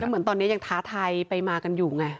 เหมือนตอนนี้ยังท้าทายไปมากันอยู่ไง